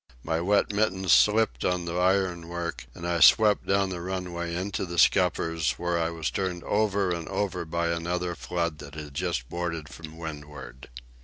My wet mittens slipped on the iron work, and I swept down the runway into the scuppers, where I was turned over and over by another flood that had just boarded from windward.